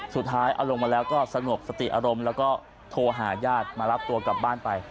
สุดท้ายเอาลงมาแล้วก็สงบสติอารมณ์แล้วก็โทรหาญาติมารับตัวกลับบ้านไป